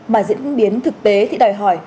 mà diễn biến thực tế thì đòi hỏi